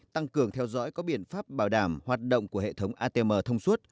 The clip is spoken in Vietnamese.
tăng cường theo dõi có biện pháp bảo đảm hoạt động của hệ thống atm thông suốt